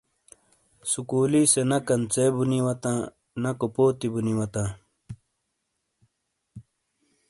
سُکُولی سے نہ کنژے بونی واتاں ، نہ کوپوتی بونی واتاں۔